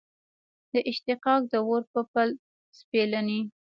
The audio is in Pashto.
د اشتیاق د اور په پل سپېلني